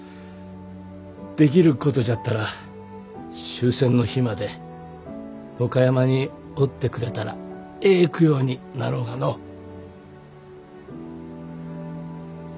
できることじゃったら終戦の日まで岡山におってくれたらええ供養になろうがのお。